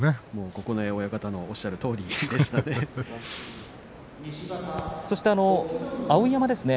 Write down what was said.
九重親方のおっしゃるとおりでしたね。